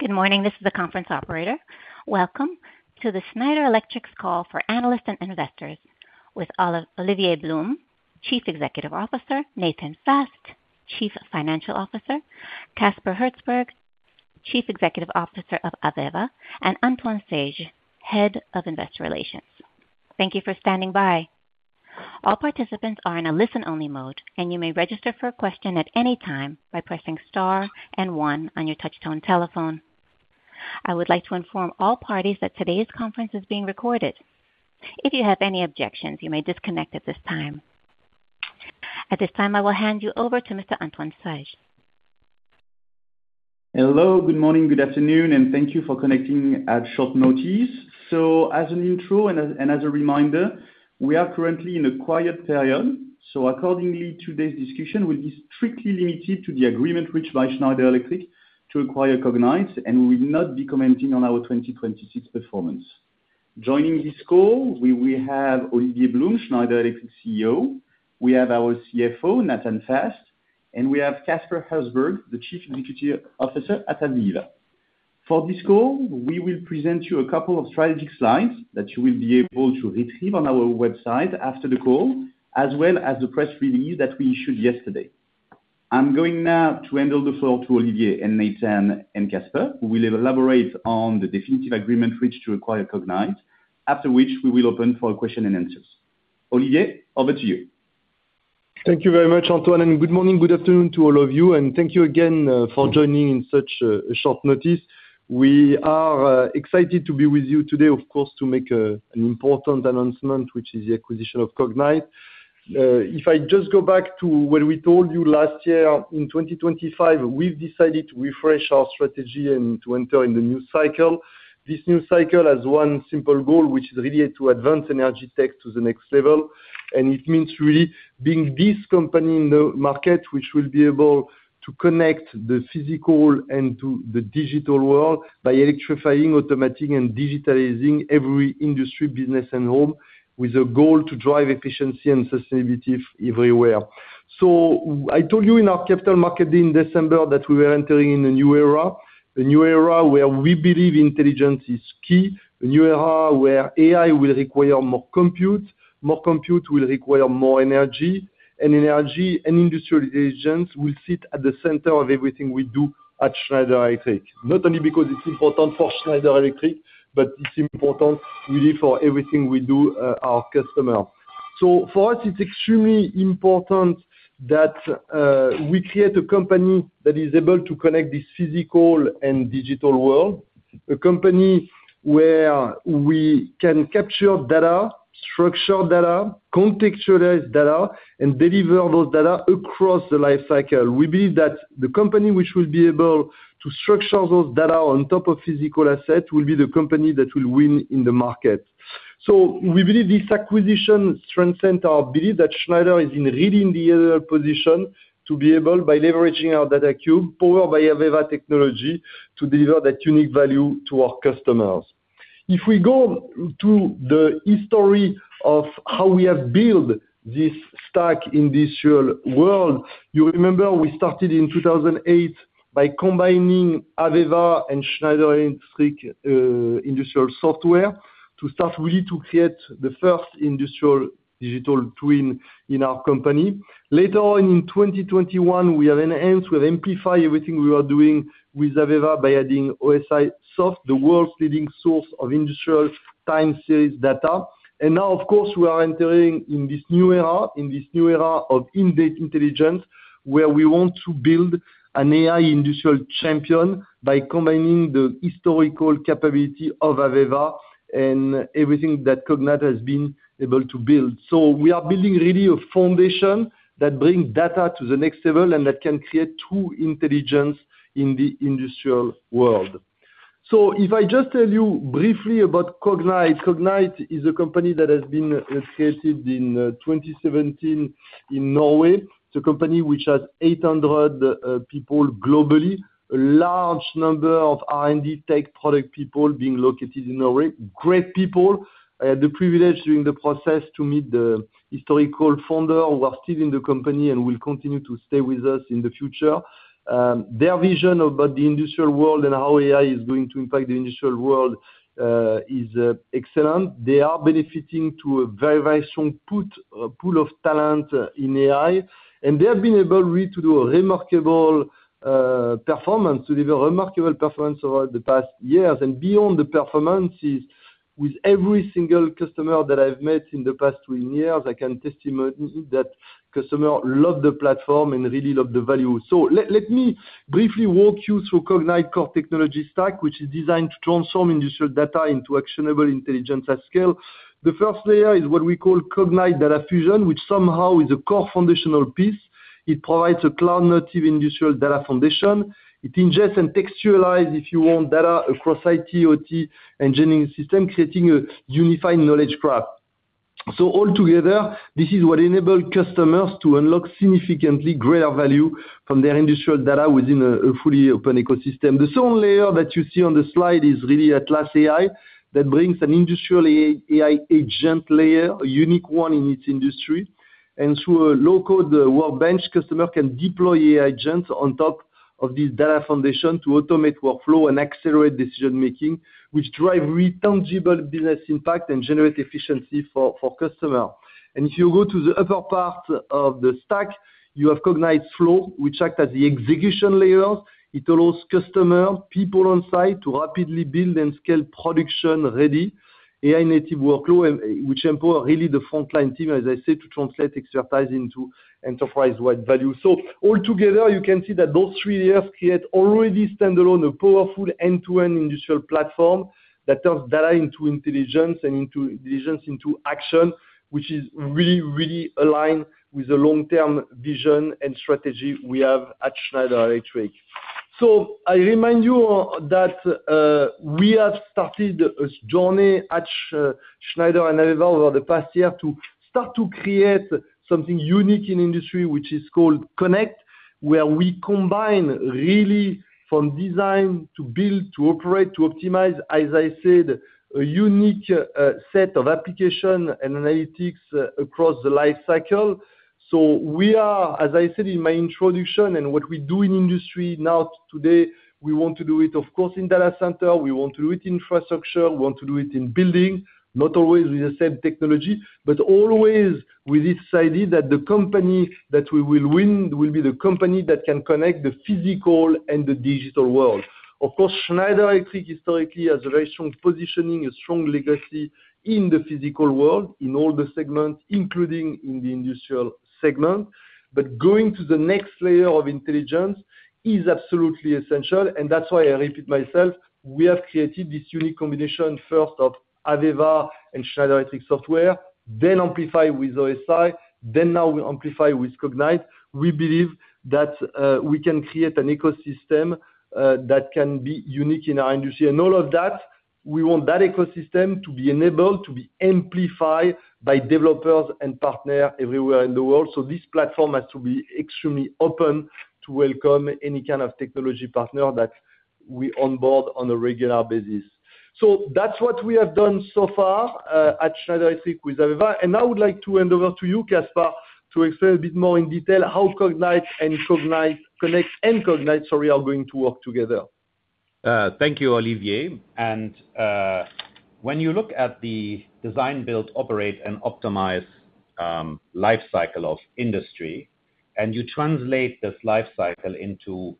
Good morning. This is the conference operator. Welcome to the Schneider Electric call for analysts and investors with Olivier Blum, Chief Executive Officer, Nathan Fast, Chief Financial Officer, Caspar Herzberg, Chief Executive Officer of AVEVA, and Antoine Sage, Head of Investor Relations. Thank you for standing by. All participants are in a listen-only mode, and you may register for a question at any time by pressing star and one on your touch-tone telephone. I would like to inform all parties that today's conference is being recorded. If you have any objections, you may disconnect at this time. At this time, I will hand you over to Mr. Antoine Sage. Hello, good morning, good afternoon, and thank you for connecting at short notice. As an intro and as a reminder, we are currently in a quiet period, accordingly, today's discussion will be strictly limited to the agreement reached by Schneider Electric to acquire Cognite, and we will not be commenting on our 2026 performance. Joining this call, we will have Olivier Blum, Schneider Electric's CEO. We have our CFO, Nathan Fast, and we have Caspar Herzberg, the Chief Executive Officer at AVEVA. For this call, we will present you a couple of strategic slides that you will be able to retrieve on our website after the call, as well as the press release that we issued yesterday. I'm going now to hand over the floor to Olivier and Nathan and Caspar, who will elaborate on the definitive agreement reached to acquire Cognite. After which we will open for question and answers. Olivier, over to you. Thank you very much, Antoine, good morning, good afternoon to all of you, thank you again for joining in such short notice. We are excited to be with you today, of course to make an important announcement, which is the acquisition of Cognite. If I just go back to what we told you last year, in 2025, we've decided to refresh our strategy and to enter in the new cycle. This new cycle has one simple goal, which is really to advance energy tech to the next level. It means really bringing this company in the market which will be able to connect the physical and to the digital world by electrifying, automating, and digitalizing every industry, business, and home with a goal to drive efficiency and sustainability everywhere. I told you in our Capital Markets Day in December that we were entering in a new era, a new era where we believe intelligence is key, a new era where AI will require more compute, more compute will require more energy, and energy and industrial agents will sit at the center of everything we do at Schneider Electric. Not only because it is important for Schneider Electric, but it is important really for everything we do our customer. For us, it is extremely important that we create a company that is able to connect this physical and digital world, a company where we can capture data, structure data, contextualize data, and deliver those data across the lifecycle. We believe that the company which will be able to structure this data on top of physical assets will be the company that will win in the market. We believe this acquisition transcends our belief that Schneider is really in the position to be able, by leveraging our data cube, powered by AVEVA technology, to deliver that unique value to our customers. If we go to the history of how we have built this industrial stack industrial world, you remember we started in 2008 by combining AVEVA and Schneider Electric industrial software to start really to create the first industrial digital twin in our company. Later on in 2021, we enhanced, we amplified everything we were doing with AVEVA by adding OSIsoft, the world's leading source of industrial time series data. And now, of course, we are entering in this new era, in this new era of embedded intelligence, where we want to build an AI industrial champion by combining the historical capability of AVEVA and everything that Cognite has been able to build. We are building a foundation really that brings data to the next level and that can create true intelligence in the industrial world. If I just tell you briefly about Cognite. Cognite is a company that has been created in 2017 in Norway. It is a company which has 800 people globally. A large number of R&D tech product people being located in Norway. Great people. I had the privilege during the process to meet the historical founder who are still in the company and will continue to stay with us in the future. Their vision about the industrial world and how AI is going to impact the industrial world is excellent. They are benefiting to a very, very strong pool of talent in AI, and they have been able really to do a remarkable performance, to deliver remarkable performance over the past years. And beyond the performances, with every single customer that I have met in the past three years, I can testify that customer love the platform and really love the value. Let me briefly walk you through Cognite core technology stack, which is designed to transform industrial data into actionable intelligence at scale. The first layer is what we call Cognite Data Fusion, which somehow is a core foundational piece. It provides a cloud-native industrial data foundation. It ingests and textualizes, if you want, data across IT, OT, engineering system, creating a unified knowledge graph. All together, this is what enables customers to unlock significantly greater value from their industrial data within a fully open ecosystem. The second layer that you see on the slide is really Atlas AI. That brings an industrial AI agent layer, a unique one in its industry. Through a low-code workbench, customers can deploy AI agents on top of this data foundation to automate workflows and accelerate decision-making, which drive real tangible business impact and generate efficiency for customers. If you go to the upper part of the stack, you have Cognite Flows, which act as the execution layer. It allows customers, people on site to rapidly build and scale production-ready AI-native workflows, which empower really the frontline team, as I said, to translate expertise into enterprise-wide value. Altogether, you can see that those three layers create already standalone a powerful end-to-end industrial platform that turns data into intelligence and intelligence into action, which is really aligned with the long-term vision and strategy we have at Schneider Electric. I remind you that we have started a journey at Schneider and AVEVA over the past year to start to create something unique in industry, which is called CONNECT, where we combine really from design to build, to operate, to optimize, as I said, a unique set of application and analytics across the life cycle. We are, as I said in my introduction, what we do in industry now today, we want to do it, of course, in data center, we want to do it in infrastructure, we want to do it in building, not always with the same technology, but always with this idea that the company that will win will be the company that can connect the physical and the digital world. Of course, Schneider Electric historically has a very strong positioning, a strong legacy in the physical world, in all the segments, including in the industrial segment. Going to the next layer of intelligence is absolutely essential, and that's why I repeat myself. We have created this unique combination, first of AVEVA and Schneider Electric software, then amplified with OSIsoft, then now we amplify with Cognite. All of that, we want that ecosystem to be enabled, to be amplified by developers and partners everywhere in the world. This platform has to be extremely open to welcome any kind of technology partner that we onboard on a regular basis. That's what we have done so far, at Schneider Electric with AVEVA. I would like to hand over to you, Caspar, to explain a bit more in detail how Cognite and CONNECT are going to work together. Thank you, Olivier. When you look at the design, build, operate, and optimize lifecycle of an industry, and you translate this lifecycle into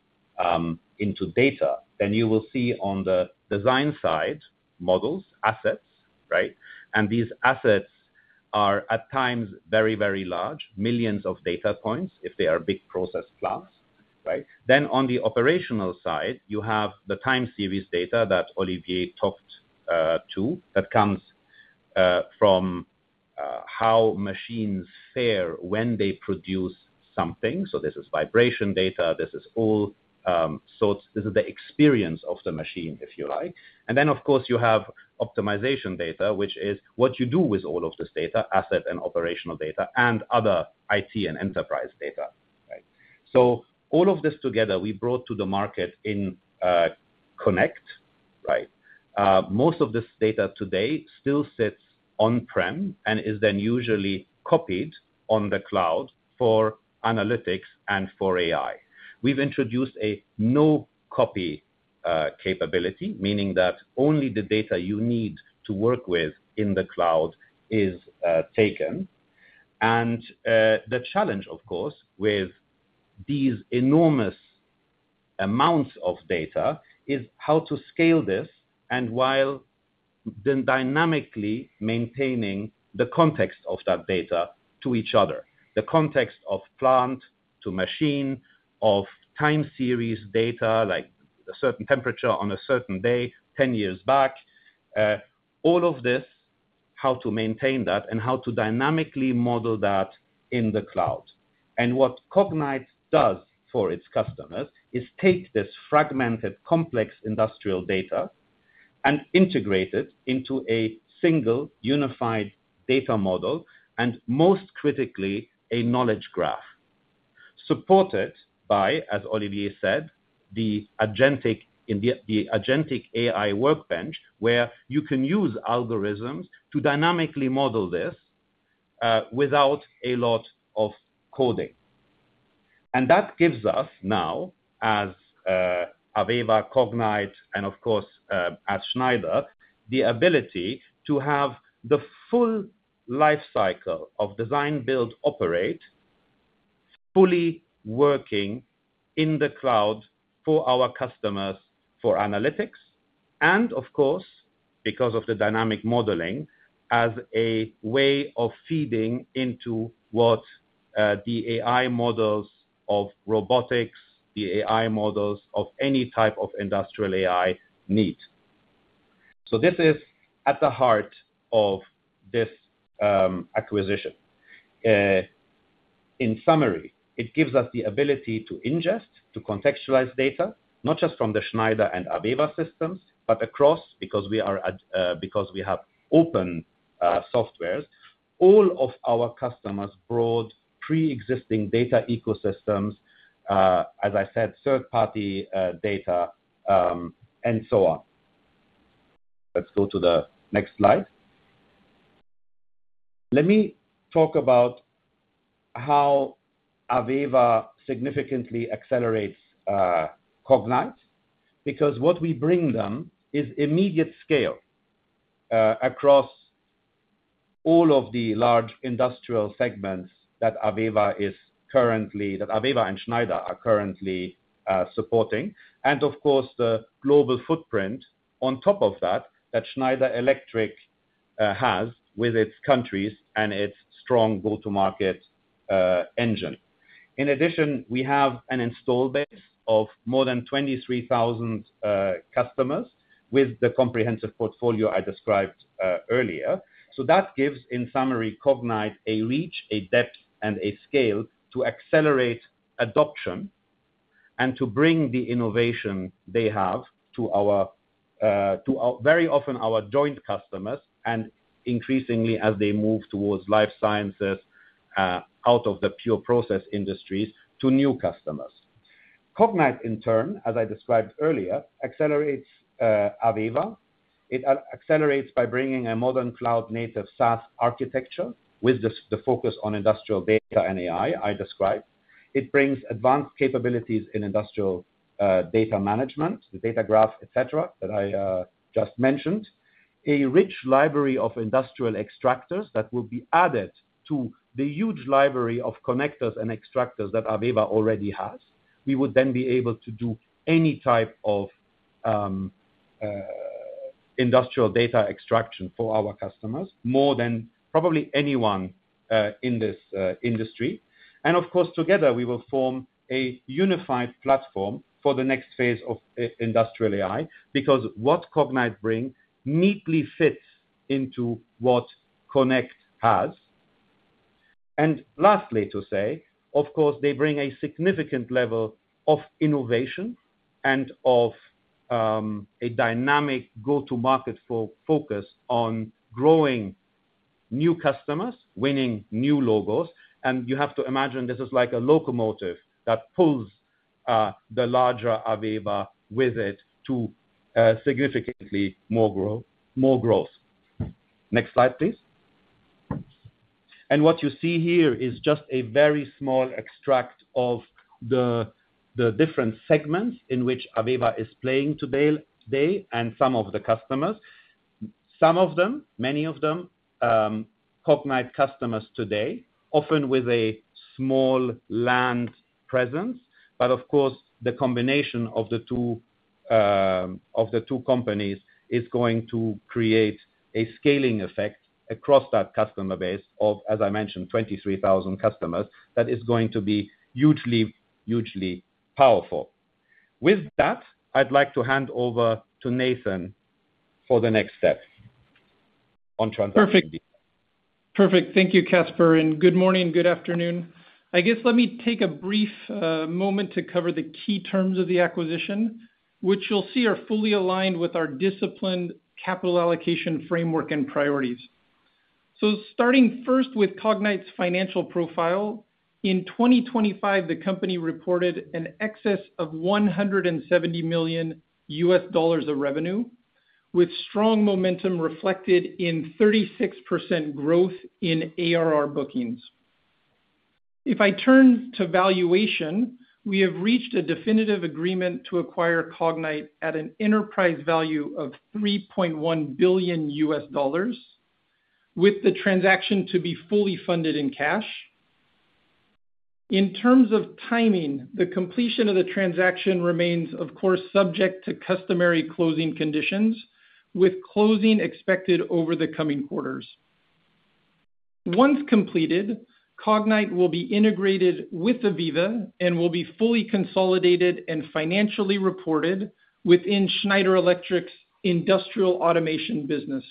data, you will see on the design side, models, assets. These assets are at times very large, millions of data points if they are a large process plant. On the operational side, you have the time series data that Olivier talked to that comes from how machines fare when they produce something. This is vibration data. This is the experience of the machine, if you like. Then, of course, you have optimization data, which is what you do with all of this data, asset and operational data, and other IT and enterprise data. All of this together, we bring to the market in CONNECT. Most of this data today still sits on-prem and is then usually copied to the cloud for analytics and for AI. We've introduced a no-copy capability, meaning that only the data you need to work with in the cloud is taken. The challenge, of course, with these enormous amounts of data is how to scale this while then dynamically maintaining the context of that data to each other, the context of plant-to-machine, of time series data like a certain temperature on a certain day 10 years back. All of this, how to maintain that, and how to dynamically model that in the cloud. What Cognite does for its customers is to take this fragmented, complex industrial data and integrate it into a single unified data model, and most critically, a knowledge graph supported by, as Olivier said, the agentic AI workbench, where you can use algorithms to dynamically model this, without a lot of coding. That gives us now as AVEVA, Cognite, and of course, as Schneider, the ability to have the full lifecycle of design-build-operate fully working in the cloud for our customers for analytics. Of course, because of the dynamic modeling, as a way of feeding into what the AI models of robotics, the AI models of any type of industrial AI need. This is at the heart of this acquisition. In summary, it gives us the ability to ingest, to contextualize data, not just from the Schneider and AVEVA systems, but across, because we have open software, all of our customers' broad pre-existing data ecosystems, as I said, third-party data, and so on. Let's go to the next slide. Let me talk about how AVEVA significantly accelerates Cognite, because what we bring them is immediate scale across all of the large industrial segments that AVEVA and Schneider are currently supporting. Of course, the global footprint on top of that Schneider Electric has with its countries and its strong go-to-market engine. In addition, we have an install base of more than 23,000 customers with the comprehensive portfolio I described earlier. That gives, in summary, Cognite a reach, a depth, and a scale to accelerate adoption and to bring the innovation they have to, very often, our joint customers, and increasingly, as they move towards life sciences out of the pure process industries, to new customers. Cognite in turn, as I described earlier, accelerates AVEVA. It accelerates by bringing a modern cloud-native SaaS architecture with the focus on industrial data and AI I described. It brings advanced capabilities in industrial data management, the data graph, et cetera, that I just mentioned. A rich library of industrial extractors that will be added to the huge library of connectors and extractors that AVEVA already has. We would then be able to do any type of industrial data extraction for our customers, more than probably anyone in this industry. Of course, together we will form a unified platform for the next phase of industrial AI, because what Cognite bring neatly fits into what CONNECT has. Lastly, of course, they bring a significant level of innovation and of a dynamic go-to-market focus on growing new customers, winning new logos. You have to imagine this is like a locomotive that pulls the larger AVEVA with it to significantly more growth. Next slide, please. What you see here is just a very small extract of the different segments in which AVEVA operates today, and some of the customers. Some of them, many of them, Cognite customers today, often with a small land presence. Of course, the combination of the two companies is going to create a scaling effect across that customer base of, as I mentioned, 23,000 customers. That is going to be hugely powerful. With that, I'd like to hand over to Nathan for the next steps on transaction. Perfect. Thank you, Caspar, and good morning, good afternoon. Let me take a brief moment to cover the key terms of the acquisition, which you'll see are fully aligned with our disciplined capital allocation framework and priorities. Starting first with Cognite's financial profile. In 2025, the company reported an excess of $170 million of revenue, with strong momentum reflected in 36% growth in ARR bookings. I turn to valuation, we have reached a definitive agreement to acquire Cognite at an enterprise value of $3.1 billion, with the transaction to be fully funded in cash. In terms of timing, the completion of the transaction remains, of course, subject to customary closing conditions, with closing expected over the coming quarters. Once completed, Cognite will be integrated with AVEVA and will be fully consolidated and financially reported within Schneider Electric's industrial automation business.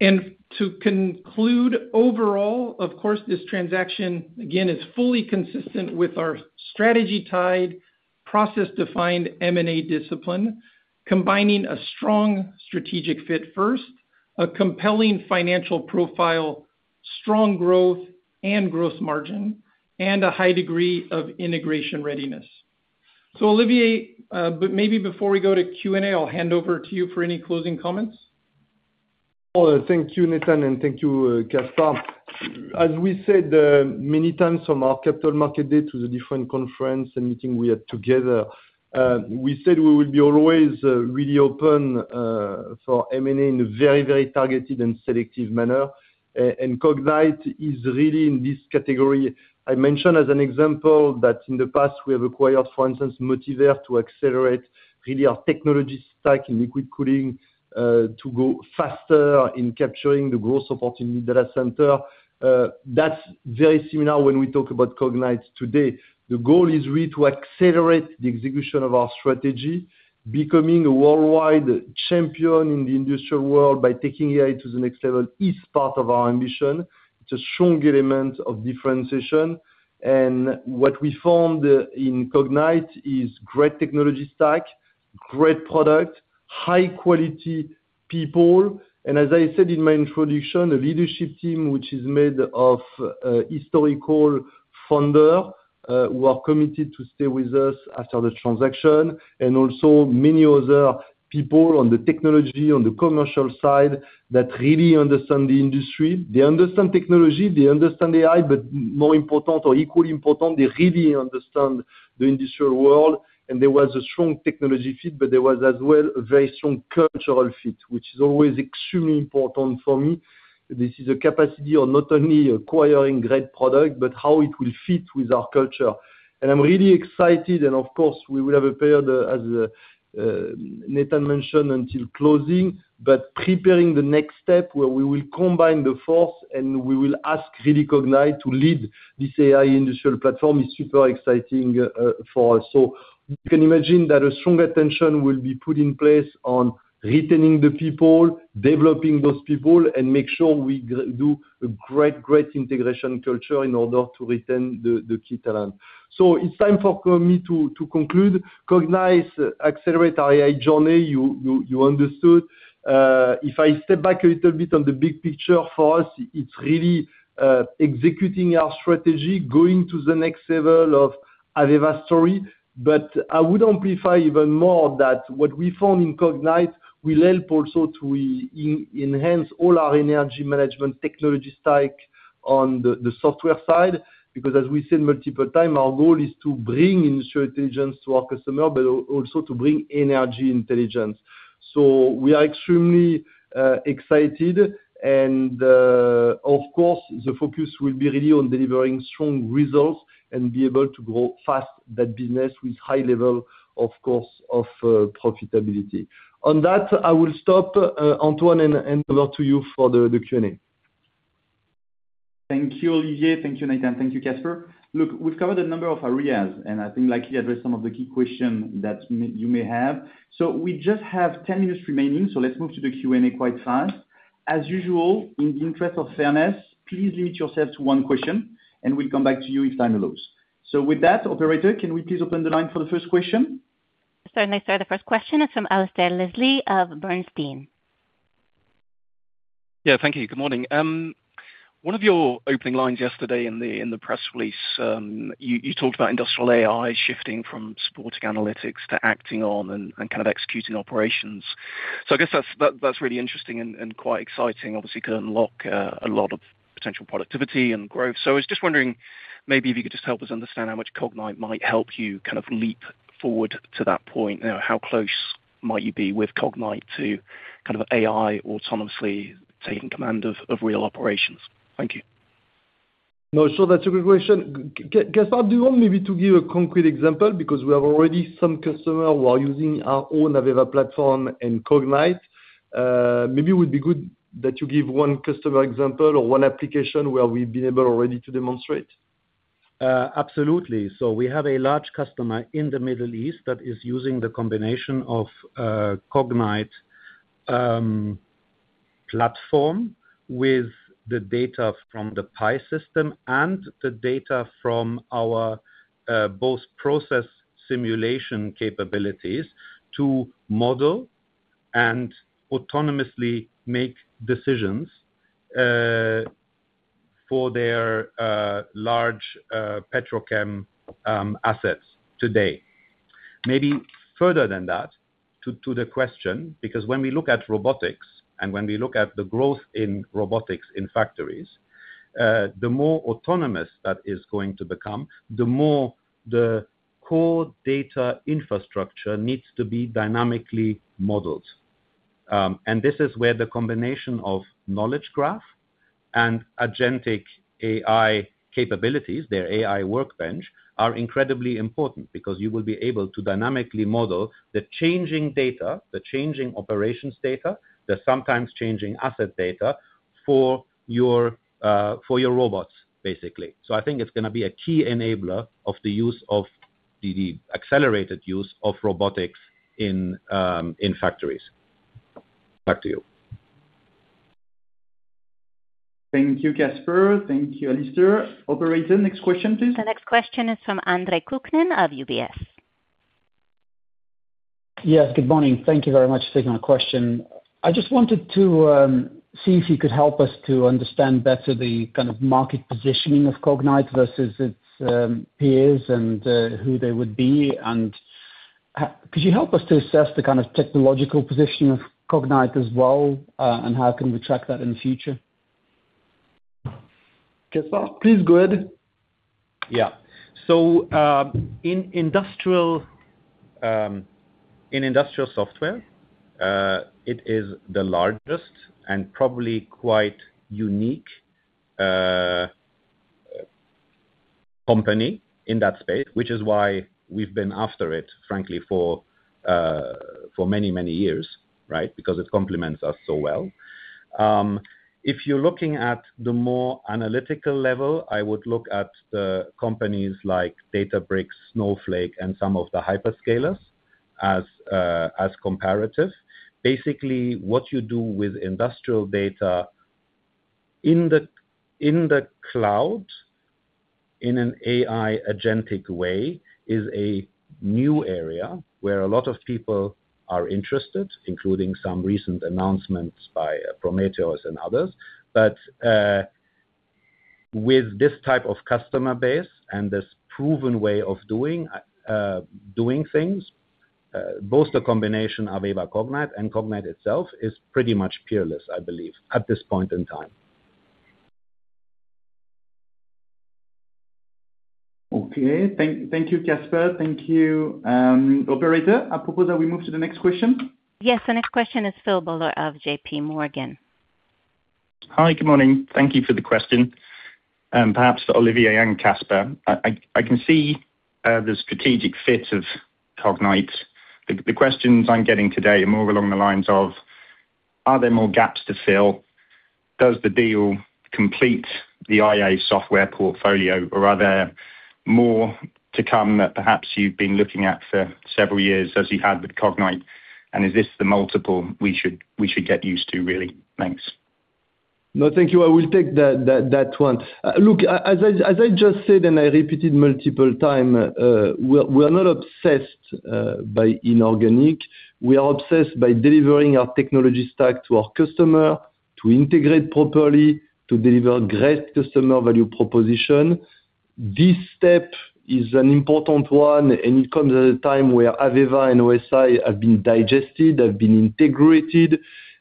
To conclude, overall, of course, this transaction, again, is fully consistent with our strategy-tied, process-defined M&A discipline, combining a strong strategic fit first, a compelling financial profile, strong growth and gross margin, and a high degree of integration readiness. Olivier, maybe before we go to Q&A, I'll hand over to you for any closing comments. Thank you, Nathan, and thank you, Caspar. As we said many times from our Capital Markets Day to the different conferences and meetings we had together, we said we would be always really open for M&A in a very targeted and selective manner. Cognite is really in this category. I mentioned as an example that in the past we have acquired, for instance, Motivair to accelerate really our technology stack in liquid cooling to go faster in capturing the growth supporting in data center. That's very similar when we talk about Cognite today. The goal is really to accelerate the execution of our strategy, becoming a worldwide champion in the industrial world by taking AI to the next level is part of our ambition. It's a strong element of differentiation. What we found in Cognite is great technology stack, great product, high quality people, and as I said in my introduction, a leadership team, which is made of the historical founders, who are committed to stay with us after the transaction, and also many other people on the technology, on the commercial side that really understand the industry. They understand technology, they understand AI, but more important or equally important, they really understand the industrial world. There was a strong technology fit, but there was, as well, a very strong cultural fit, which is always extremely important for me. This is a capacity on not only acquiring great product, but how it will fit with our culture. I'm really excited, and of course, we will have a period, as Nathan mentioned, until closing. Preparing the next step where we will combine forces and we will ask really Cognite to lead this AI industrial platform is super exciting for us. You can imagine that a strong attention will be put in place on retaining the people, developing those people, and make sure we do a great integration culture in order to retain the key talent. It's time for me to conclude. Cognite accelerates the AI journey. You understood. If I step back a little bit on the big picture for us, it's really executing our strategy, going to the next level of AVEVA story. I would amplify even more that what we found in Cognite will help also to enhance all our energy management technology stack on the software side, because as we said multiple times, our goal is to bring industrial intelligence to our customers, but also to bring energy intelligence. We are extremely excited and, of course, the focus will be on really delivering strong results and being able to grow fast that business with high level, of course, of profitability. On that, I will stop, Antoine, and over to you for the Q&A. Thank you, Olivier. Thank you, Nathan. Thank you, Caspar. Look, we've covered a number of areas, and I think luckily addressed some of the key questions that you may have. We just have 10 minutes remaining, so let's move to the Q&A quite fast. As usual, in the interest of fairness, please limit yourself to one question, and we'll come back to you if time allows. With that, operator, can we please open the line for the first question? Certainly, sir. The first question is from Alasdair Leslie of Bernstein. Thank you. Good morning. One of your opening lines yesterday in the press release, you talked about industrial AI shifting from supporting analytics to acting on and kind of executing operations. I guess that's really interesting and quite exciting. Obviously could unlock a lot of potential productivity and growth. I was just wondering maybe if you could just help us understand how much Cognite might help you kind of leap forward to that point now. How close might you be with Cognite to kind of AI autonomously taking command of real operations? Thank you. No, sure. That's a good question. Caspar, do you want maybe to give a concrete example because we have already some customers who are using our own AVEVA platform and Cognite. Maybe it would be good that you give one customer example or one application where we've been able already to demonstrate. Absolutely. We have a large customer in the Middle East that is using the combination of Cognite platform with the data from the PI System and the data from our both process simulation capabilities to model and autonomously make decisions for their large petrochem assets today. Maybe further than that, to the question, because when we look at robotics and when we look at the growth in robotics in factories, the more autonomous that is going to become, the more the core data infrastructure needs to be dynamically modeled. This is where the combination of knowledge graph and agentic AI capabilities, their AI workbench, are incredibly important because you will be able to dynamically model the changing data, the changing operations data, the sometimes changing asset data for your robots, basically. I think it's going to be a key enabler of the accelerated use of robotics in factories. Back to you. Thank you, Caspar. Thank you, Alasdair. Operator, next question, please. The next question is from Andre Kukhnin of UBS. Yes, good morning. Thank you very much for taking my question. I just wanted to see if you could help us to understand better the kind of market positioning of Cognite versus its peers and who they would be. Could you help us to assess the kind of technological position of Cognite as well? How can we track that in the future? Caspar, please go ahead. Yeah. In industrial software, it is the largest and probably quite unique company in that space, which is why we've been after it frankly for many years, right? Because it complements us so well. If you're looking at the more analytical level, I would look at companies like Databricks, Snowflake, and some of the hyperscalers as comparative. Basically, what you do with industrial data in the cloud, in an AI agentic way, is a new area where a lot of people are interested, including some recent announcements by Prometheus and others. With this type of customer base and this proven way of doing things, both the combination AVEVA and Cognite, and Cognite itself, are pretty much peerless, I believe, at this point in time. Okay. Thank you, Caspar. Thank you, operator. I propose that we move to the next question. Yes. The next question is from Phil Buller at JPMorgan. Hi. Good morning. Thank you for the question. Perhaps to Olivier and Caspar. I can see the strategic fit of Cognite. The questions I'm getting today are more along the lines of, are there more gaps to fill? Does the deal complete the IA software portfolio, or are there more to come that perhaps you've been looking at for several years as you have with Cognite? Is this the multiple we should get used to, really? Thanks. No, thank you. I will take that one. Look, as I just said, and I repeated multiple time, we are not obsessed with inorganic. We are obsessed by delivering our technology stack to our customer, to integrate properly, to deliver great customer value proposition. This step is an important one. It comes at a time when AVEVA and OSIsoft have been digested, have been integrated.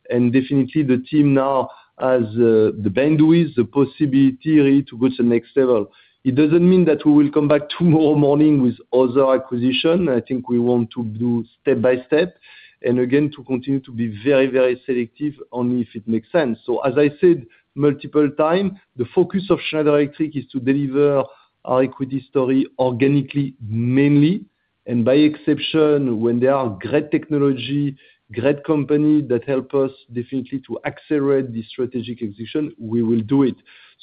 Definitely the team now has the bandwidth, the possibility really to go to the next level. It doesn't mean that we will come back tomorrow morning with another acquisition. I think we want to do step by step. Again, to continue to be very, very selective only if it makes sense. As I said multiple times, the focus of Schneider Electric is to deliver our equity story organically mainly, and by exception, when there are great technology, great companies that help us definitely to accelerate the strategic execution, we will do it.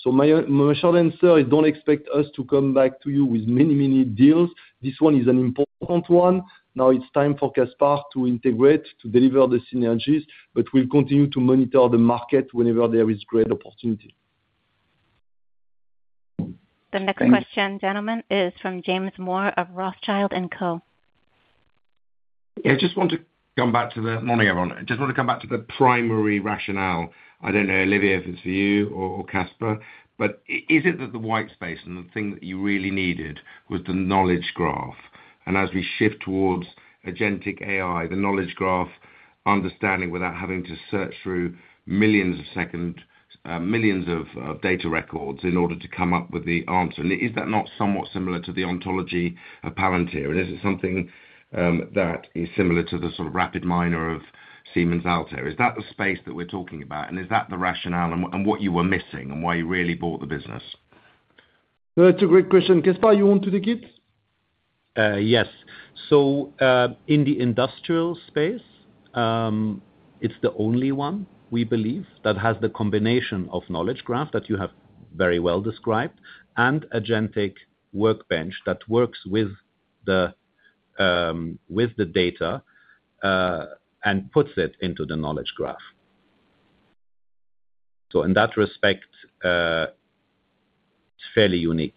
My short answer is do not expect us to come back to you with many, many deals. This one is an important one. Now it's time for Caspar to integrate, to deliver the synergies, we'll continue to monitor the market whenever there is great opportunity. The next question, gentlemen, is from James Moore of Rothschild & Co. Morning, everyone. I just want to come back to the primary rationale. I don't know, Olivier, if it's for you or Caspar. Is it that the white space and the thing that you really needed was the knowledge graph? As we shift towards agentic AI, the knowledge graph understanding without having to search through millions of data records in order to come up with the answer. Is that not somewhat similar to the ontology of Palantir? Is it something that is similar to the sort of Altair RapidMiner of Siemens or Altair? Is that the space that we're talking about, and is that the rationale and what you were missing and why you really bought the business? That's a great question. Caspar, you want to take it? In the industrial space, it's the only one, we believe, that has the combination of knowledge graph that you have very well described and agentic workbench that works with the data, and puts it into the knowledge graph. In that respect, it's fairly unique.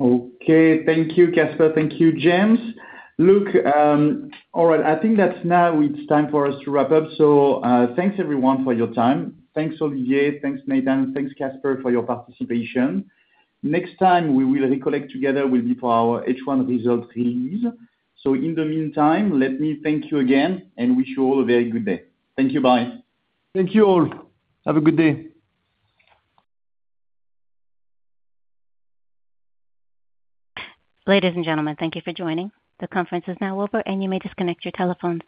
Okay. Thank you, Caspar. Thank you, James. Look, all right. I think that now it's time for us to wrap up. Thanks everyone for your time. Thanks, Olivier. Thanks, Nathan. Thanks, Caspar, for your participation. Next time we will reconnect together will be for our H1 results release. In the meantime, let me thank you again and wish you all a very good day. Thank you. Bye. Thank you all. Have a good day. Ladies and gentlemen, thank you for joining. The conference is now over, and you may disconnect your telephones.